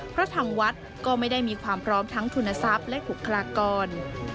เพราะทางวัดก็ไม่ได้มีความพร้อมทั้งทุนทรัพย์และบุคลากร